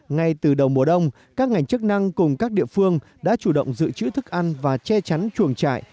ngay từ đầu mùa đông các ngành chức năng cùng các địa phương đã chủ động giữ chữ thức ăn và che chắn chuồng trại